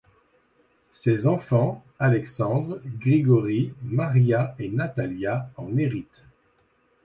Ses enfants, Alexandre, Grigori, Maria et Natalia en héritent.